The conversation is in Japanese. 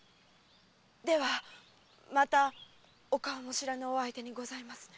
ではまたお顔も知らぬお相手にございますね？